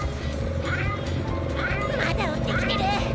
まだおってきてる！